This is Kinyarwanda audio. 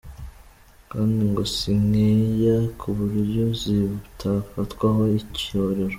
Kandi ngo si nkeya ku buryo zitafatwaho icyororo.